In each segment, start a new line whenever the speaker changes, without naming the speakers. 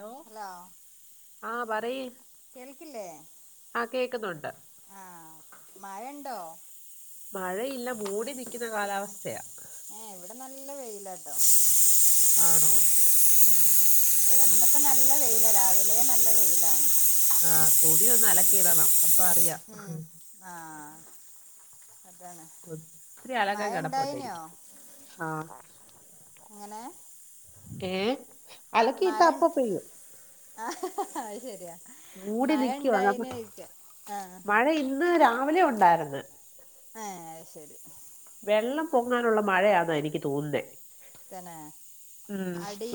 Hello ആഹ് പറയ്
കേൾക്കില്ലേ
ആഹ് കേക്കുന്നുണ്ട്
ആഹ് മഴണ്ടോ
മഴയില്ല മൂടി നിക്ക്ന്ന കാലാവസ്ഥയാ
ഏഹ് ഇവിടെ നല്ല വെയ്ലാട്ടോ
ആണോ
ഉം ഇവിടെ ഇന്ന്പ്പോ നല്ല വെയ്ലാ രാവിലേ നല്ല വെയിലാണ്
ആഹ് തുണി ഒന്ന് അലക്കിടണം
ഉം ആഹ് അതാണ്
ഒത്തിരി അലക്കാൻ കിടപ്പുണ്ട്
മഴണ്ടായ്ന്യോ
എനിക്ക് ആഹ്
ങ്ങെനെ
ഏഹ് അലക്കിയിട്ടാ
മയൺ
അപ്പൊ പെയ്യും
ആഹ് അത് ശെര്യാ
മൂടി നിക്കുവാ
ആഹ്
മഴ ഇന്ന് രാവിലെ ഉണ്ടാര്ന്ന്
ഏഹ് അത് ശെരി
വെള്ളം പൊങ്ങാനുള്ള മഴയാന്നാ എനിക്ക് തോന്ന്ന്നേ
തന്നേ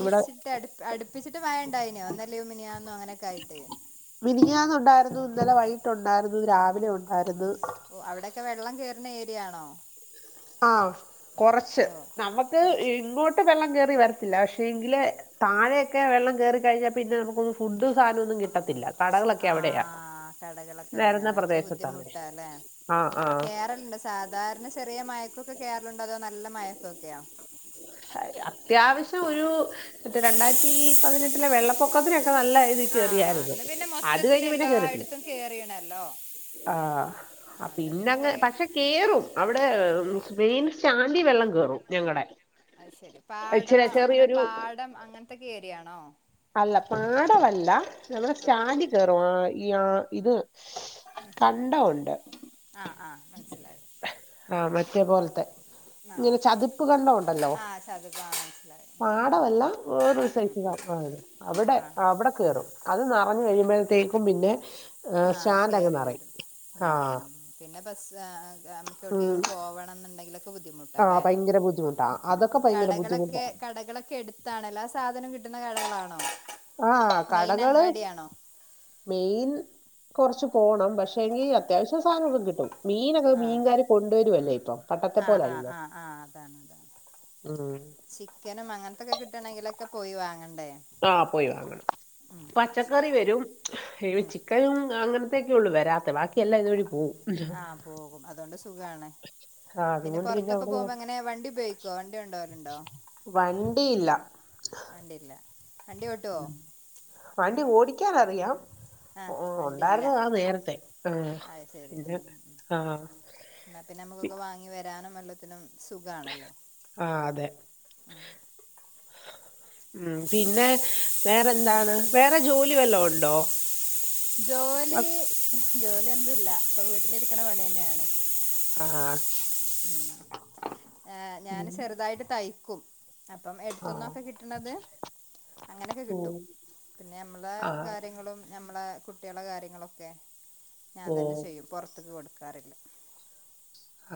ഇവിടെ
അട് അട്പ്പിച്ചിട്ട് മയണ്ടായ്ന്യോ ഇന്നലേം മിനിയാന്നും അങ്ങനൊക്കായ്ട്ട്
മിനിഞ്ഞാന്നുണ്ടായ്രുന്നു ഇന്നലെ വൈകിട്ടുണ്ടായ്ര്ന്നു രാവിലെ ഉണ്ടായ്ര്ന്ന്
ഓഹ് അവടെക്കെ വെള്ളം കേർണ ഏരിയാണോ?
ആഹ് കൊറച്ച്
അയ്യോ
നന്മക്ക്
കൊറച്ച്
ഇങ്ങോട്ട് വെള്ളം കേറി വരത്തില്ല പക്ഷെ എങ്കില് താഴെക്കെ വെള്ളം കേറിക്കഴിഞ്ഞാ പിന്നെ നമുക്ക് ഫുഡ് സാനൊന്നും കിട്ടത്തില്ല. കടകളൊക്കെ അവിടെയാ
ആഹ് കടകളൊക്കെ
വരുന്ന
അവടെയാണ് ഭയങ്കര
പ്രദേശത്താണ്
ബുദ്ധിമുട്ടാ ല്ലെ.
ആഹ് ആഹ്
കേറൽ സാധാരണ ചെറിയ മഴക്കൊക്കെ കേറല്ണ്ടോ അതോ നല്ല മഴക്കൊക്കെയോ?
അത്യാവശ്യം ഒരു മറ്റേ രണ്ടായിരത്തി പതിനെ ല്ല വെള്ളപ്പൊക്കത്തിനൊക്കെ നല്ല ഇത്
ആഹ്
കേറിയാരുന്നു.
അന്ന് പിന്നെ
അത്
മൊത്തത്തില്
കഴിഞ്ഞ് പിന്നെ കേറിട്ടില്ല.
എല്ലായിടത്തും കേറിയണല്ലോ
ആഹ് പിന്നെ ങ് പക്ഷെ കേറും അവടെ മെയിൻ സ്റ്റാൻഡിൽ വെള്ളം കേറും ഞങ്ങടെ
അഹ് ശരി പാട
ഇച്ചിരി
അങ്ങനെ
ചെറിയൊരു
പാടം അങ്ങൻത്തക്കെ ഏരിയാണോ?
അല്ല പാടമല്ല നമ്മൾ
ആഹ്
സ്റ്റാൻഡിൽ കേറും ആഹ് ഈ ആഹ് ഇത്
ഉം
കണ്ടവുണ്ട്
ആഹ് ആഹ് മൻസ്സിലായി
ആഹ് മറ്റേ പോൽത്തെ
ആഹ് ഓക്കെ ആഹ് ചതുക്ക മൻസ്സിലായി.
പാടമല്ലാ വേറൊരു സൈസ ആഹ് അവടെ
ആഹ് ഓക്കെ
അവടെ
ഓക്കെ
കേറും.
ആഹ്
അത് ന്നറഞ്ഞു ഒഴികുമ്പോഴത്തേക്കും പിന്നെ
ആഹ്
സ്റ്റാൻഡ് അങ്ങ്
കേറി
നിറയും
വരും
ആ
നെറയും പിന്നെ ബസ്സാഹാ മ
ഉം
എട്ക്കെങ്കിലും പോവണം ന്ന്ണ്ടെങ്കിലൊക്കെ ബുദ്ധിമുട്ടാ
ആ
ല്ലേ
ഭയങ്കര ബുദ്ധിമുട്ടാ അതൊക്കെ ഭയങ്കര ബുദ്ധിമുട്ടാ
കടകളൊക്കെ കടകളൊക്കെ എട് തണലാ സാധനം കിട്ടുന്ന കടകളാണോ?
ആഹ്
മെയിൻ
കടകള്
അങ്ങാടിയാണോ
മെയിൻ കൊർച്ച് പോണം പക്ഷെങ്കി അത്യാവശ്യ സാനൊക്കെ കിട്ടും. മീനൊക്കെ
ആഹ്
മീൻകാര് കൊണ്ടുവരുല്ലേ ഇപ്പം പണ്ടത്തെ
ആഹ് ആഹ്
പോലല്ലോ.
ആഹ് അതാണ് അതാണ്
ഉം
ചിക്കനും അങ്ങൻത്തൊക്കെ കിട്ടണെങ്കിലൊക്കെ പോയി വാങ്ങണ്ടേ?
അഹ് പോയി വാങ്ങണം
ഉം അത് ശരി
പച്ചക്കറി വരും
ഉം
ഹേവെചിക്ക് ലും അങ്ങൻത്തെക്കെ ഉള്ളൂ വെരാത്തേ ബാക്കിയെല്ലാം ഇതു വഴി പോവും.
ആഹ് പോകും അതുകൊണ്ട് സുഖാണ്.
ആഹ്
പിന്നെ
അതുകൊണ്ട്
പൊർത്തൊക്ക
അവിടെ
പോകുമ്പോ എങ്ങനെ വണ്ടി ഉപയോഗിക്കോ വണ്ടി കൊണ്ടോവല്ണ്ടോ?
വണ്ടി ഇല്ല
വണ്ടില്ല
ഉം വണ്ടി ഓടിക്കാൻ അറിയാം.
ആഹ് വണ്ടിയില്ല
ഒണ്ടായിരുന്നതാ നേരത്തെ ആഹ് പിന്നെ ആഹ്
ഇന്നാ പിന്നെ നമ്ക്കൊക്കെ വാങ്ങി വരാനും എല്ലത്തിനും സുഖാണല്ലോ
ആഹ് അതെ
ഉം.
ഉം പിന്നെ വേറെന്താണ് വേറെ ജോലി വല്ലോം ഒണ്ടോ?
ജോലി ജോലി ഒന്നുല്ല ഇപ്പോ വീട്ടില് ഇരിക്കണ പണി തന്നെയാണ്.
ആഹ്
ഉം ഏഹ് ഞാന്
ഉം
ചെർതായിട്ട് തയ്ക്കും. അപ്പം
ആഹ്
എട്ത്തുന്നൊക്കെ കിട്ടണത്? അങ്ങനെക്കെ കിട്ടും
ഉം
പിന്നെ നമ്മള
ആഹ്
കാര്യങ്ങളും ഞമ്മളെ കുട്ട്യേളെ കാര്യങ്ങളൊക്കെ ഞാൻ തന്നെ
ഓഹ്
ചെയ്യും പൊർത്ത്ക്ക് കൊട്ക്കാറില്ല.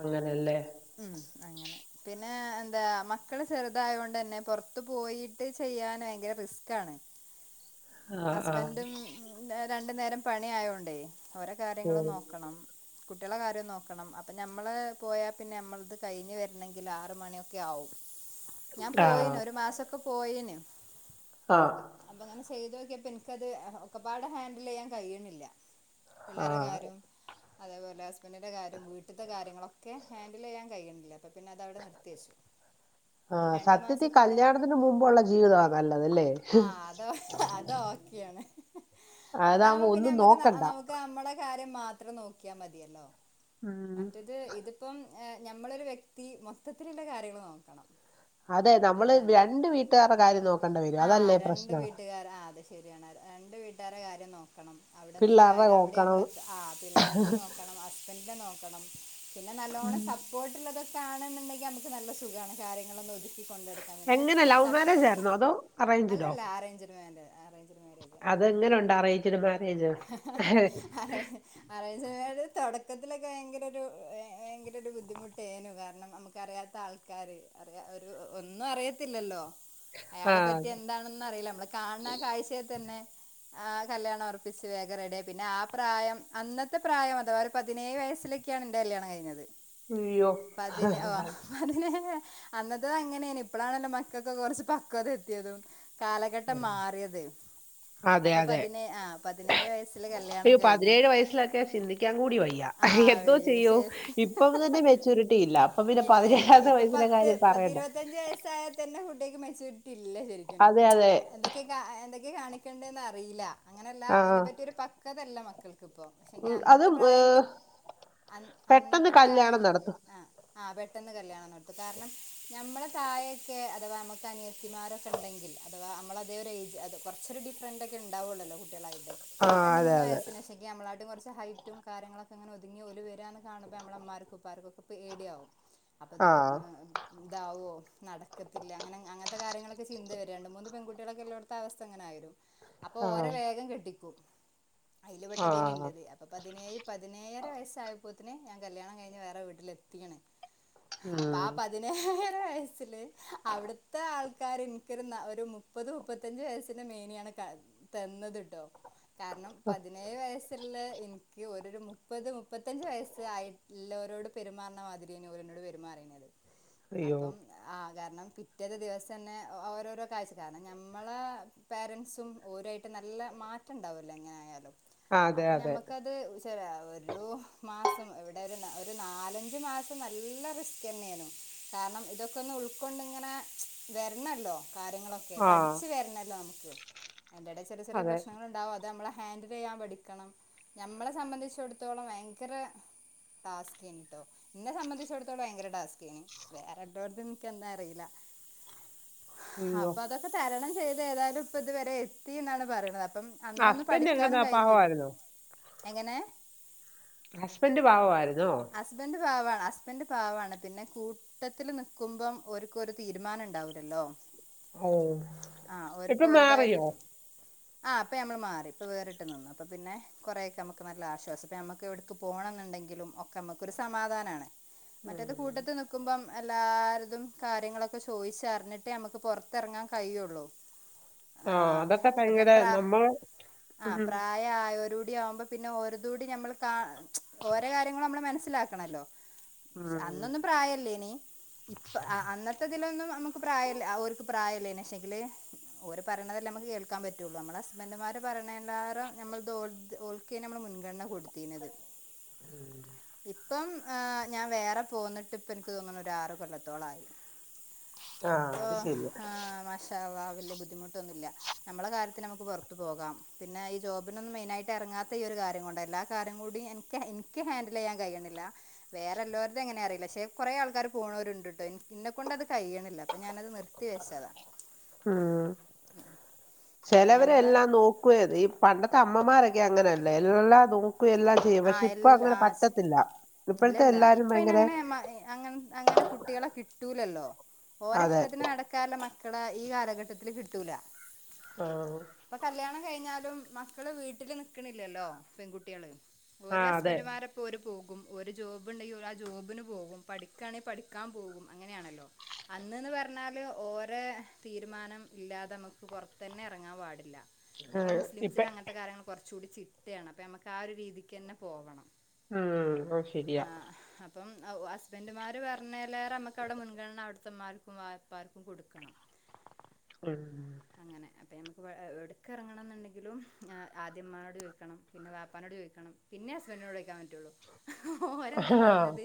അങ്ങനെല്ലേ?
ഉം അങ്ങനെ പിന്നെ എന്താ മക്കള് ചെർതായോണ്ട് ന്നെ പൊർത്ത് പോയിട്ട് ചെയ്യാന് ഭയങ്കര റിസ്കാണ്.
ആഹ് ആഹ്
ഹസ്ബന്റും രണ്ട് നേരം പണി ആയോണ്ടേ ഓരെ കാര്യങ്ങളും
ഓഹ്
നോക്കണം. കുട്ട്യള കാര്യം നോക്കണം അപ്പൊ ഞമ്മള് പോയ പിന്നെ നമ്മൾത് കഴിഞ്ഞ് വരണങ്കിൽ ആറ് മണിയൊക്കെ ആവും. ഞാൻ പോയിനു
ആഹ്
ഒരു മാസൊക്ക പോയിനു
ആഹ്
അപ്പ അങ്ങനെ സെയ്തു നോക്കിയപ്പം എനിക്കത് ഒക്കെപാടെ ഹാൻഡിലെയ്യാൻ കഴിയുന്നില്ല പിള്ളേരെ
ആഹ്
കാര്യവും അതേപോലെ ഹസ്ബൻഡിന്റെ കാര്യവും വീട്ടിത്തെ കാര്യങ്ങളൊക്കെ ഹാൻഡിലെയ്യാൻ കഴിയുന്നില്ല അപ്പം പിന്ന അത് അവിടെ നിർത്തിവച്ചു
ആ
ഒരു രണ്ടു
സത്യത്തി
മാസത്തോളം
കല്യാണത്തിന് മുമ്പുള്ള ജീവിതമാ നല്ലതല്ലേ
ആഹ് അതോ അതോ കിയാണേ
അതാവുമ്പോ
അതാവുമ്പം പിന്നെ
ഒന്നും
ഞമക്ക്
നോക്കണ്ട
നമുക്ക് നമ്മളെ കാര്യം മാത്രം നോക്കിയാൽ മതിയല്ലോ
ഉം
ഇത് ഇതിപ്പം ഞമ്മളൊരു വ്യക്തി മൊത്തത്തിലുള്ള കാര്യങ്ങള് നോക്കണം
അതെ നമ്മള്
അതാണ്
രണ്ട് വീട്ടുകാരടെ കാര്യം നോക്കണ്ടി വരും അതല്ലേ പ്രശ്നാ
ക്കാറാത് ശരിയാണ് രണ്ട് വീട്ടുകാരെ കാര്യം നോക്കണം അവിടെ എന്തെങ്കിലും
പിള്ളേരുടെ
ആയാലും
നോക്കണം
അവിടന്നിങ്ങള് ആ യാ അവിടെ നമ്മള് ആഹ് പിള്ളേരുത് നോക്കണം ഹസ്ബൻഡ്നെ നോക്കണം പിന്നെ
ഉം.
നല്ലോണ്ണം സപ്പോർട്ട് ള്ളതൊക്കെ ആണെന്നുണ്ടെങ്കിൽ ഞമുക്ക് നല്ല സുഖാണ് കാര്യങ്ങളൊന്നും ഒതുക്കി കി കൊണ്ടൊടുക്കാൻ പിന്നെ
എങ്ങനെ ലവ്
സം
മാരേജ് ആയിരുന്നോ അതോ അറേഞ്ച്ഡോ
അല്ലല്ല അറേഞ്ച്ട്മേന്റാ
അതെങ്ങനെ ഒണ്ട് അറേജ്ട് മ്യാരേജ്
ആ ഹേ ഹേ അറേൻജ്മേര് തൊടക്കത്തിലൊക്കെ ഭയങ്കര ഒരു ഭയങ്കര ഒരു ബുദ്ധിമുട്ടേനു കാരണം നമുക്ക് ക്കറിയാത്ത ആൾക്കാര് അറിയ ഒരു ഒന്നും അറിയത്തില്ലല്ലോ
ആ
അയാളെ പറ്റി എന്താണെന്ന് അറിയില്ല ഞമ്മള് കാണാ കാഴ്ചേ തന്നെ ആഹ് കല്യാണം ഒറ പ്പിച്ച് വേഗം റെഡിയായി പിന്നെ ആഹ് പ്രായം അന്നത്തെ പ്രായം അഥവാ ഒരു പതിനേഴ് വയസ്സിലൊക്കെയാണ് എന്റെ കല്യാണം കഴിഞ്ഞത്
അയ്യോ
പതിന് ഓ ആഹ് അതിനെ അന്നത് അങ്ങനെയേന് ഇപ്പഴാണല്ലോ മക്കകൊക്കെ കൊറച്ച് പക്വത എത്തിയതും കാലഘട്ടം മാറിയത്
അതെ
അപ്പ
അതെ
പതിന് ആഹ്
അയ്യോ പതിനേഴ് വയസ്സിലൊക്കെത്തിയാൽ ചിന്തിക്കാൻ കൂടി വയ്യ എന്തോ
ആഹ്
ചെയ്യും
ശരി
ഇപ്പം തന്നെ മെച്ചൂരിറ്റി ഇല്ല അപ്പം പിന്നെ
ഇല്ല ഇല്ല
പതിനേഴാമത്തെ വയസ്സിലെ കാര്യം പറയണ്ട
ഈ പ്രായത്തിൽ തന്നെ കുട്ടികൾക്ക് മെച്ചൂരിറ്റി ഇല്ല ശരിക്കും എ
അതെ അതെ
എന്തൊക്കെ കാണിക്കേണ്ടതെന്ന് അറിയില്ല അങ്ങനെയല്ല
ആ
അതിനെ പറ്റി ഒരു പക്വതല്ല മക്കൾക്ക് ഇപ്പം എനിക്
ഉം,
അന്നത്തെ
അതും
പ്രായം
ഏഹ്, പെട്ടെന്ന്
അന്നത്തെ
കല്യാണം
പ്രായം
നടത്തും
ആ ആ പെട്ടെന്ന് കല്ല്യാണം നടത്തും കാരണം നമ്മളെ തായൊക്കെ അഥവാ നമുക്ക് അനിയ ചേച്ചിമാരൊക്കെ ഉണ്ടെങ്കിൽ അഥവാ നമ്മളതേ ഒരു ഏജ് കുറച്ചൊരു ഡിഫ്രറന്റ ഒക്കെ ഉണ്ടാവുള്ളല്ലോ കുട്ടികളായിട്ട്
ആ
രണ്ട്
അതെ
മൂന്ന്
അതെ
വയസ്സിനു പക്ഷെങ്കിൾ നമ്മള കാട്ടും കുറച്ച് ഹൈറ്റ് മറ്റും കാര്യങ്ങളൊങ്ങനെ ഒതുങ്ങി ഓല് വരാന്ന് കാണുമ്പോൾ നമ്മ ഉമ്മാർക്കും പേടിയാവും അപ്പൊ അത്
ആ
ഇതാവോ. നടക്കത്തില്ല. അങ്ങനെ അങ്ങനത്തെ കാര്യങ്ങളൊക്കെ ചിന്തവരുവാണ് രണ്ട് മൂന്ന് പെൺകുട്ടികളൊക്കെ ഉള്ളോടത്ത് അവസ്ഥ അങ്ങനെ ആകും അപ്പൊ
ആ
ഓരേ വേഗം കെട്ടിക്കും അതില്
ആ
പെട്ടതായിരുന്നു എന്റത് പതിനേഴ് പതിനേഴര വയസ്സായപ്പോത്തിന് ഞാൻ കല്യാണം കഴിഞ്ഞ് വേറെ വീട്ടിലെത്തിക്കണ് ആ
ഉം
പതി ഹ്ഹ്ഹ് അവിടുത്തെ ആൾക്കാർ എനിക്കൊരു മുപ്പത് മുപ്പ പതിനഞ്ച് വയസ്സിന്റെ മേലയാണ് തന്നത് കാരണം പതിനേഴ് വയസ്സുള്ള എനിക്ക് മുപ്പത് മുപ്പത്തഞ്ച് വയസ്സ് ആയിട്ടുള്ളവരോട് പെരുമാറുന്ന മാതിരിയാണ് ഓര് എന്നോട് പെരുമാറിയത്
അയ്യോ
അപ്പം ആ കാരണം പിറ്റേത് ദിവസം തന്നെ ഓരോരോ കാഴ്ച കാരണം ഞമ്മള പേരന്റ്സും ഓരായിട്ട് നല്ല മാറ്റം ഉണ്ടാവല്ലോ എങ്ങനെ ആയാലും
അതെ
അപ്പൊ
അതെ
നമ്മുക്കത് ചില ഒരു മാസം ഇവിടെ ഒരു ഒരു നാലഞ്ച് മാസം നല്ല റിസ്ക് തന്നെയാണ് കാരണം ഇതൊക്കെ ഒന്ന് ഉൾക്കൊണ്ടിങ്ങനെ വരണല്ലോ കാര്യങ്ങളൊക്കെ ഒക്കെ
ആ
പഠിച്ചു വരണല്ലോ നമുക്ക് അതിന്റെ ചെറിയ ചെറിയ
അതെ
പ്രശ്നം ങ്ങളുണ്ടാവും അത് നമ്മള് ഹാൻഡിൽ ചെയ്യാൻ പഠിക്കണം ഞമ്മളെ സംബന്ധിച്ചടത്തോളം ഭയങ്കര ടാസ്ക് എന്തോ എന്നെ സംബന്ധിച്ചിടത്തോളം ഭയങ്കര ടാസ്കാണ് വേറെ ളോരെതൊന്നും എനിക്ക് എന്താ അറിയില്ല
[inaudible] അയ്യോ
അപ്പൊ അതൊക്കെ തരണം ചെയ്ത് ഏതായാലും ഇപ്പ ഇതുവരെ എത്തിന്നാണ് പറയണത് അപ്പം. അന്നൊന്നും
ഹസ്ബൻഡ്
പഠിക്കാനും
എങ്ങനാ
കഴിഞ്ഞില്ല.
പാവമായിരുന്നോ
എങ്ങനെ
ഹസ്ബൻഡ് പാവമായിരുന്നോ
ഹസ്ബൻഡ് പാവാണ്. ഹസ്ബൻ് പാവാണ്. പിന്നെ കൂ ട്ടത്തില് നിക്കുമ്പം ഓര്ക്കൊരു തീരുമാനം ണ്ടാവില്ലല്ലോ
ഓ
ആഹ്
ഇപ്പൊ
ഓര്ക്ക് ഓരുതായിട്ട്
മാറിയോ
ആഹ് പ്പം നമ്മൾ മാറി. ഇപ്പൊ വേറിട്ട് നിന്നു. അപ്പൊ പിന്നെ കുറെക്കെ നമുക്ക് നല്ല ആശ്വാസം. പിന്നെ നമുക്ക് എവിടെങ്കിലും പോണംന്നുണ്ടെങ്കിലും ഒ ക്കെ നമുക്കൊരു സമാധാനാണ്. മറ്റേത്
ഉം
കൂട്ടത്ത്നി ക്കുമ്പം എല്ലാര്തും കാര്യങ്ങളൊക്കെ ചോയിച്ചറിഞ്ഞിട്ടേ നമുക്ക് പുറത്തറങ്ങാൻ കഴിയുള്ളൂ.
[inaudible]
ആഹ്
അതൊക്കെ
പിന്നെ
ഭയങ്കര
പ്ര
നമ്മൾ
ആഹ്
ഉം
പ്രായ ആയോരൂടി ആഉമ്പ പിന്നെ ഓരതൂടി നമ്മൾ കാ ഓരെ കാര്യങ്ങളും നമ്മൾ മനസ്സിലാക്കണല്ലോ
ഉം
അന്നൊന്നും പ്രായല്ലേനി ഇപ്പ ആഹ് അന്നത്തെ ഇതിലൊന്നും നമുക്ക് പ്രായല്ല ഓര്ക്ക് പ്രായല്ലേനി ക്ഷെങ്കില് ഓര് പറയണതെല്ലേ നമുക്ക് കേൾക്കാൻ പറ്റുള്ളൂ. നമ്മള ഹസ്ബൻഡ്മാര് പറയണേലാറെ നമ്മൾത് ഓൽത് ഓൽ ക്കെ നമ്മള് മുൻഗണന കൊടുതീനത്
ഉം
ഇപ്പം ഏഹ് ഞാൻ വേറെ പോന്നിട്ട് ഇപ്പൻക്ക് തോന്നണ ഒരു ആറ് കൊല്ലത്തോളായി
ആ
പ്പോ
അത് ശരിയാ
ആഹ് മാഷ് ഷാ അള്ളാഹ് വല്യ ബുദ്ധിമുട്ടൊന്നുംല്ല. നമ്മുടെ കാര്യത്തിന് നമുക്ക് പുറത്തു പോകാം പിന്നെ ഈ ജോബിനൊന്നും മെയിന് ആയി ഇറങ്ങാത്ത ഈ ഒരു കാര്യം കൊണ്ടാ എല്ലാ കാര്യം കൂടി എനിക്ക് എനിക്ക് ഹാൻഡിൽയ്യാൻ കയ്യ്ണില്ല വേറെ എല്ലോര്തെ എങ്ങനെ അറിയില്ല. പക്ഷെ കുറെ ആൾക്കാര് പോണോരുണ്ട്ട്ടോ ഇൻ ന്നെ കൊണ്ട് അത് കയ്യ്ണില്ല. അപ്പൊ ഞാനത് നിർ ക്കേശതാ
ഉം
അപ്പോൾ
ചിലവരെ
നമ്മൾ
എല്ലാം നോ ക്ക്ഏറി പണ്ടത്തെ അമ്മമാരൊക്കെ അങ്ങനെല്ല എല്ലാം നൂക്കു എല്ലാം ഏഹ്
ആ
വക്ഷെ ഇപ്പൊ
എല്ലാ
അങ്ങനെ
ആ
പറ്റത്തില്ല
ഇല്ല
ഇപ്പോഴത്തെ
ഇല്ല
എല്ലാരും
ഇപ്പ
ഭയങ്കര
അയ്നങ്ങനെ മ അങ്ങൻ അങ്ങനെ കുട്ടികളെ കിട്ടൂലല്ലോ
അതെ
ഓരഷ്ടത്തിന് നടക്കാല്ല മക്കളെ ഈ കാലഘട്ടത്തില് കിട്ടൂല
ആഹ്
പ്പൊ കല്യാണം കഴിഞ്ഞാലും മക്കള് വീട്ടില് നക്ണില്ലല്ലോ പെൺകുട്ട്യേള് ഓരോ
ആഹ് അതെ
ഹസ്ബൻഡുമാരെപ്പോ ഓര് പോകും ഒരു ജോബ്ണ്ടെങ്കിൽ ഓല് ആ ജോബിന് പോകും പഠിക്കാണെങ്കി പഠിക്കാൻ പോകും അങ്ങനെയാണല്ലോ അന്ന്ന്ന് പറഞ്ഞാല് ഓരെ തീരുമാനം ഇല്ലാതെ നമുക്ക് പുറത്തന്നെ ഇറങ്ങാൻ പാടില്ല ഞങ്ങളെ
ഏഹ് ഇപ്പ
മുസ്ലിംസില് അങ്ങൻത്തെ കാര്യങ്ങൾ കുറച്ചുടി ചിട്ടയാണ് അപ്പൊ നമ്മുക്ക് ആ ഒരു രീതിക്ക്ന്നെ പോകണം
ഉം ഓഹ് ശരിയാ
അപ്പം ഔ ഹസ്ബൻഡുമാര് പറഞ്ഞലേറെ നമുക്ക് അവിടെ മുൻഗണന അവിടുത്തെമാർക്കും വാ പ്പാര്ക്കും കൊടുക്കണം
ഉം
അങ്ങനെ അപ്പം
[inaudible]
നമുക്ക് വെ എഹ് എട്ക്കറങ്ങണംന്ന്ണ്ടെങ്കിലും ഏഹ് ആദ്യമ്മാനോട് ചോയ്ക്കണം പിന്നെ വാപ്പനോട് ചോയ്ക്കണം പിന്നെ ഹസ്ബൻഡിനോടൊയ്ക്കാൻ പറ്റുള്ളൂ ഓരെന്താ
ആഹ്
പറഞ്ഞത്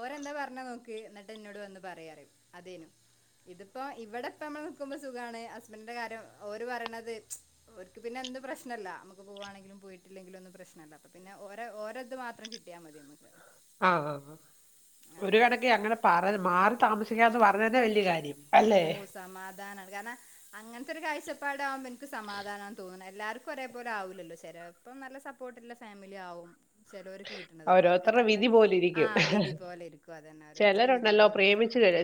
ഓരെന്താ പറഞ്ഞാ നോക്ക് എന്നിട്ട് എന്നോട് വന്ന് പറീ അറി അതേനു ഇതിപ്പോ ഇവിടെപ്പ നമ്മൾ നക്കുമ്പോ സുഖാണ് ഹസ്ബൻഡിന്റെ കാര്യം ഓര് പറയണത് ഒര്ക് പിന്നെ എന്തും പ്രശ്നമല്ല നമുക്ക് പോവാണെങ്കിലും പോയിട്ടില്ലെങ്കിലും ഒന്നു പ്രശ്നല്ല പിന്നെ ഓരെ ഓരെ ഇത് മാത്രം കിട്ടിയാ മതി നമക്ക്
ആഹ് ആഹ് ആഹ് ഒരു
അതാണ്
കണക്ക് അങ്ങനെ പാറൽ മാറി താമസിക്കാന്ന് പറഞ്ഞന്നെ വല്യ കാര്യം അല്ലേ
സമാധാനണ് കാരണം അങ്ങൻത്തെ ഒരു കാഴ്ചപ്പാട ആഉമ്പോ ഇൻക്ക് സമാധാന തോന്നുണെ എല്ലാര് ക്കൊരേ പോലെ ആവൂലല്ലോ ചെലേപ്പം നല്ല സപ്പോർട്ടില്ല ഫാമിലി ആവും ചെലോര്ക്ക് കിട്ട്ണതാഅപ്പോര്ക്ക്
ഓരോരുത്തരുടെ
അത്‌നല്ല
വിധി പോലിരിക്കും
ആഹ് വിധി പോലെ ഇരിക്കും അതന്നെ ഓരോരുത്തര്‌ടെവിധി പോല ഇരി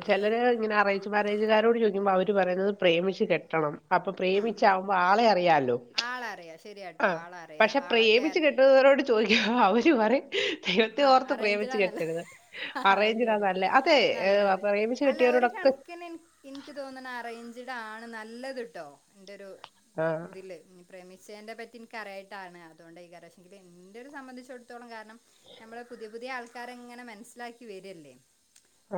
ചെലര് ഇങ്ങനെ അറയ്ഞ്ച് മേരേജ് കാരോട് ചോയിക്കുമ്പോ അവര് പറയുന്നത് പ്രേമിച്ച് കെട്ടണം അപ്പൊ
ഉം ഉം
പ്രേമിച്ചാവുമ്പോ ആളെ അറിയാലോ
ആളറിയാ ശരിയാട്ടോ
ആഹ്
ആളറിയാ
പക്ഷെ
ആളെ
പ്രേമിച്ച്
ക്യാര
കെ വരോട് ചോയിക്കും അവര് പറിം ദൈവത്തെ
ആ
ഓർത്ത് പ്രേമിച്ച്
അറേഞ്ച്ഡാ നല്ല
കെട്ടരുത്
അത്
അറേഞ്ചിനാ
ശരി
നല്ലേ അതെ പ്രേമിച്ച് കെട്ടിയവരോടൊക്ക
ക്കിനിന് ഇന്ക്ക് തോന്ന്ണ് അറയ്ഞ്ച്ഡ് ആണ് നല്ലത് ട്ടോ ഇന്റെ ഒരു
ആഹ്
തില് പ്രേമിച്ചേന്റെപറ്റി ഇന്ക്ക്‌ അറിയായിട്ടാണ് അതുകൊണ്ട അയ്ക്കാരം പക്ഷേ ഇന്റെ ഒരു സംബന്ധിച്ചിടത്തോളം കാരണം നമ്മള് പുതിയ പുതിയ ആൾക്കാരങ്ങനെ മനസ്സ്ലാക്കി വരല്ലേ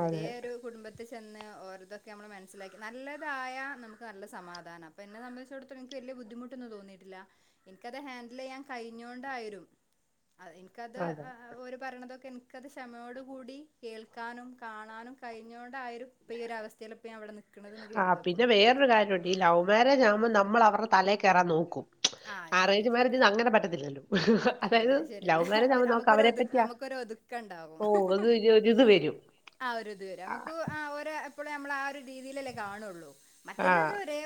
അതെ
കുടുംബ ത്ത് ചെന്ന് ഓരതൊക്കെ നമ്മൾ മനസ്സ്ലാക്കി നല്ലതായ നമുക്ക് നല്ല സമാധാനം ഇപ്പം ഇന്നെ സമ്മന്തിച്ചോട് എനിക്ക് വല്ല്യ ബുദ്ധിമുട്ടൊന്നും തോന്നിട്ടില്ല ഇന്ക്കത് ഹാൻഡിലിയ്യാൻ കഴിഞ്ഞൊണ്ടായിരും അ ഇന്ക്കത്
അതെ
ഓരു പറിണതൊക്കെ എനിക്കത് ക്ഷമയോടു കൂടി കേൾക്കാനും കാണാനും കഴിഞ്ഞോണ്ടായിരും ഇപ്പ ഈ ഒര് അവസ്തേൽ ഇപ്പ ഞാൻ ഇവടെ നി
ആഹ് പിന്നെ വേറൊരു കാര്യംണ്ട് ഈ ലൗമാരേജ് ആവുമ്പോ നമ്മൾ അവർടെ തലേ കേറാ നോക്കും
ആഹ് ശരിയാ
അറേഞ്ച്
ശരിയാ
മേരേജിൻ അങ്ങന പറ്റത്തില്ലല്ലോ
പറ്റത്തില്ല
അതായത്
അത്
ലൗ മേരേജ് ആവുമ്പോ നമ്മക്ക്അവരെ പറ്റി
ക്കണ്ടാവും
[unintelligible] വരും
ആഹ് ഒര് ഇത് വരും ഞമ്മക്ക് ആ ഓരേ എപ്പളും ഞമ്മളാ ആ ഒരു രീതിലല്ലേ കാണാള്ളൂ
ആ
മറ്റേത് അത് ഒരേ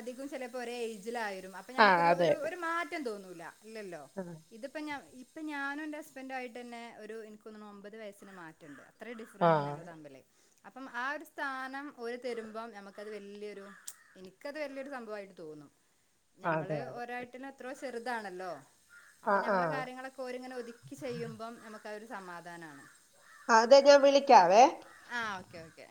അധിക്കും ചലേപ്പോ ഒരേ ഏജിലായിരും അപ്പൊ
ആ,
നമ്മുക്കൊരു ഒരു ഒരു മാറ്റ റ്റ തോന്നൂല ഇല്ലല്ലോ
ആഹ്
ഇത്പ്പ ഞാ ഇപ്പ ഞാനും എന്റെ ഹസ്ബൻഡും ആയിട്ടന്നെ ഒരു എനിക്ക് തോന്ന്ണു ഒമ്പത് വയസ്സിൻ മാറ്റണ്ട് അത്ര ഡി
ആ,
ഡിഫ്റെന്റ്ണ്ട് ഞങ്ങൾ തമ്മിൽ അപ്പം ആ ഒരു സ്ഥാനം ഓര് തരുബം നമക്കത് വല്യൊരു എനിക്കത് വല്ല്യരു സംഭവായിട്ട് തോന്നും ഞമ്മള്
അതെ അതെ
ഒരാട്ടിലും എത്രോ ചെറ്താണല്ലോ
ആ
അപ്പ ഞമ്മള
ആ
കാര്യങ്ങളൊക്കെ ഓരിങ്ങനെ ഒ ക്കി ചെയ്യുമ്പം നമുക്ക് അഒര് സമാധാനാൺ
ആഹ് അതെ ഞാ വിളിക്കാവേ
ആഹ് ഓക്കെ ഓക്കെ